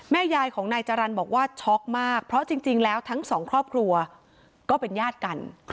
ยายของนายจรรย์บอกว่าช็อกมากเพราะจริงแล้วทั้งสองครอบครัวก็เป็นญาติกัน